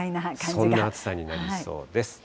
そんな暑さになりそうです。